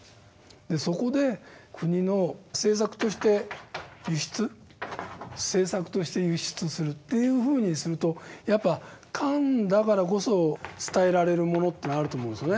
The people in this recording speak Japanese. そこで国の政策として輸出するというふうにするとやっぱ官だからこそ伝えられるものというのはあると思うんです。